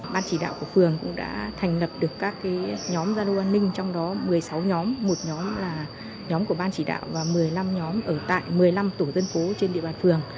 ban chỉ đạo của phường cũng đã thành lập được các nhóm gia lô an ninh trong đó một mươi sáu nhóm một nhóm là nhóm của ban chỉ đạo và một mươi năm nhóm ở tại một mươi năm tổ dân phố trên địa bàn phường